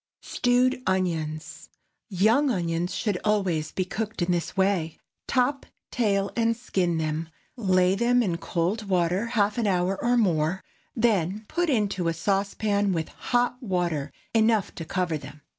STEWED ONIONS. ✠ Young onions should always be cooked in this way. Top, tail, and skin them, lay them in cold water half an hour or more, then put into a saucepan with hot water enough to cover them.